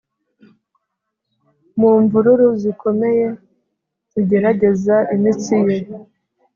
mu mvururu zikomeye zigerageza imitsi ye.